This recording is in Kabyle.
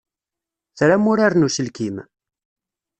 Tram uraren n uselkim?